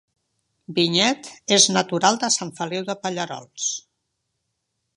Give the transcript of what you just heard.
Vinyet és natural de Sant Feliu de Pallerols